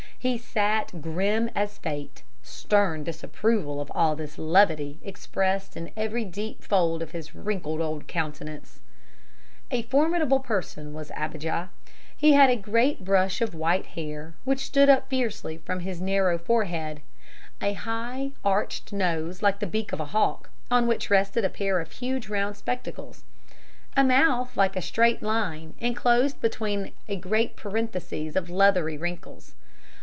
He sat grim as fate, stern disapproval of all this levity expressed in every deep fold of his wrinkled old countenance. A formidable person was Abijah. He had a great brush of white hair, which stood up fiercely from his narrow forehead; a high, arched nose like the beak of a hawk, on which rested a pair of huge round spectacles; a mouth like a straight line inclosed between a great parenthesis of leathery wrinkles.